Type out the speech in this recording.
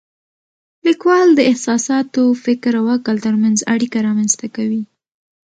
لیکوالی د احساساتو، فکر او عقل ترمنځ اړیکه رامنځته کوي.